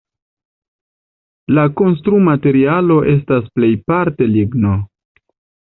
La konstrumaterialo estas plejparte ligno.